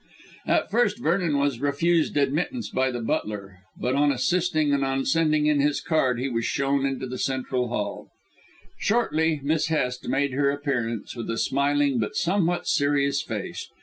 At first Vernon was refused admittance by the butler, but on insisting and on sending in his card he was shown into the central hall. Shortly Miss Hest made her appearance with a smiling but somewhat serious face.